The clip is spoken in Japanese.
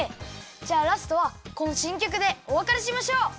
じゃあラストはこのしんきょくでおわかれしましょう！